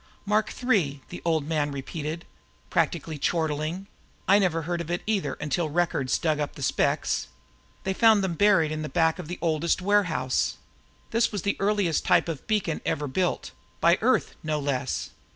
"Mark III," the Old Man repeated, practically chortling. "I never heard of it either until Records dug up the specs. They found them buried in the back of their oldest warehouse. This was the earliest type of beacon ever built by Earth, no less.